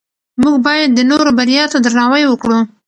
موږ باید د نورو بریا ته درناوی وکړو